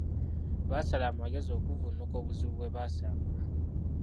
Basala amagezi okuvvuunuka obuzibu bwe basanga.